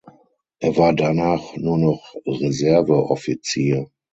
Er war danach nur noch Reserveoffizier.